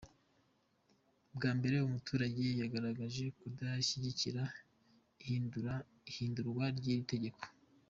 Bwa mbere umuturage yagaragaje kudashyigikira ihindurwa ry’iri tegeko.